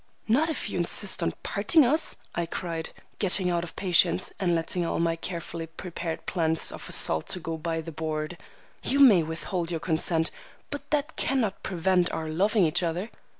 "Not if you insist on parting us!" I cried, getting out of patience and letting all my carefully prepared plans of assault go by the board. "You may withhold your consent, but that cannot prevent our loving each other!"